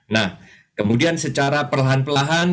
nah kemudian secara perlahan perlahan